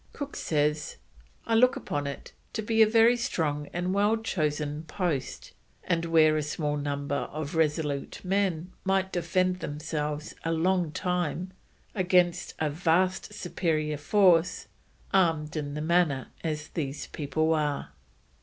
Cook says: "I look upon it to be a very strong and well choose Post, and where a small number of resolute men might defend themselves a long time against a vast superior force, armed in the manner as these people are."